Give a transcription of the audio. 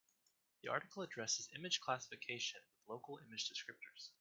The article addresses image classification with local image descriptors.